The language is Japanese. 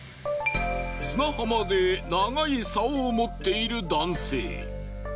砂浜で長い竿を持っている男性。